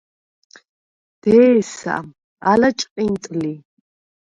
დე̄სა, ალა ჭყინტ ლი.